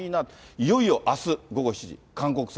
いよいよあす午後７時、韓国戦。